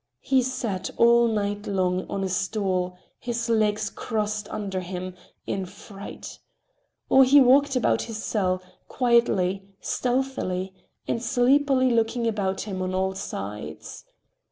He sat all night long on a stool, his legs crossed under him, in fright. Or he walked about in his cell, quietly, stealthily, and sleepily looking about him on all sides.